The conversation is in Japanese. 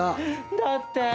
だってぇ！